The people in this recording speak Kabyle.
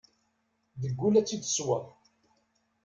Deg ul ad tt-id ssewweḍ.